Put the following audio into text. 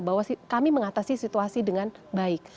bahwa kami mengatasi situasi dengan baik